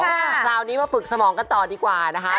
คราวนี้มาฝึกสมองกันต่อดีกว่านะคะ